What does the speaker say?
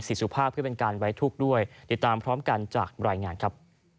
สุภาพเพื่อเป็นการไว้ทุกข์ด้วยติดตามพร้อมกันจากรายงานครับ